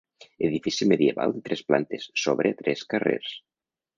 Edifici medieval de tres plantes, s'obre a tres carrers.